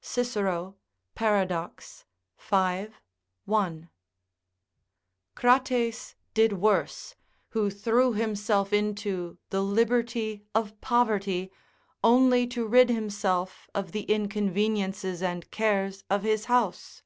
Cicero, Paradox, V. I.] Crates did worse, who threw himself into the liberty of poverty, only to rid himself of the inconveniences and cares of his house.